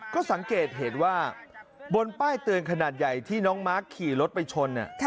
ก็สังเกตเห็นว่าบนป้ายเตือนขนาดใหญ่ที่น้องมาร์คขี่รถไปชน